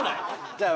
じゃあ。